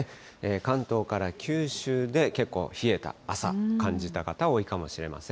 関東から九州で結構冷えた朝、感じた方、多いかもしれません。